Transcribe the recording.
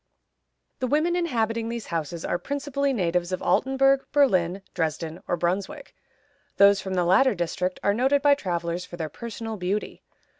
The women inhabiting these houses are principally natives of Altenburg, Berlin, Dresden, or Brunswick; those from the latter district are noted by travelers for their personal beauty.